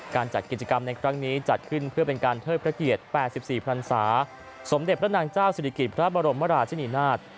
การจัดกิจกรรมในครั้งนี้จัดขึ้นเพื่อเป็นการเทิดพระเกียรติ๘๔พันศาสมเด็จพระนางเจ้าศิริกิจพระบรมราชนีนาฏ